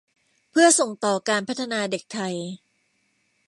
เพื่อส่งต่อการพัฒนาเด็กไทย